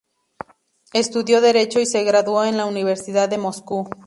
Estudió derecho y se graduó en la Universidad de Moscú.